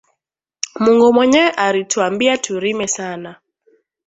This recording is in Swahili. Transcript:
Mungu mwenyewe ari twambia tu rime sana